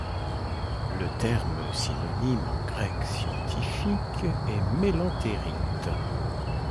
Le terme synonyme, en grec scientifique, est mélantérite.